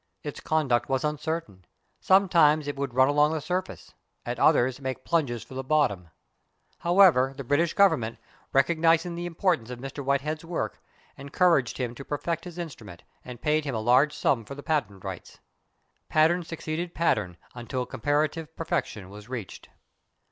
Its conduct was uncertain. Sometimes it would run along the surface, at others make plunges for the bottom. However, the British Government, recognising the importance of Mr. Whitehead's work, encouraged him to perfect his instrument, and paid him a large sum for the patent rights. Pattern succeeded pattern, until comparative perfection was reached.